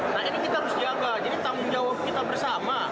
nah ini kita harus jaga jadi tanggung jawab kita bersama